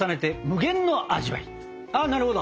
ああなるほど。